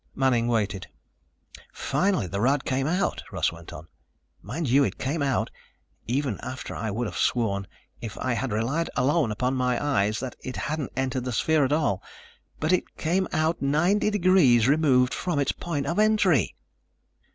Manning waited. "Finally the rod came out," Russ went on. "Mind you, it came out, even after I would have sworn, if I had relied alone upon my eyes, that it hadn't entered the sphere at all. _But it came out ninety degrees removed from its point of entry!